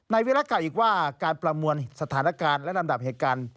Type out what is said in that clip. วิรักษ์กล่าวอีกว่าการประมวลสถานการณ์และลำดับเหตุการณ์